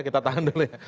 kita tahan dulu ya